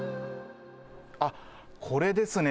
あっ、これですね。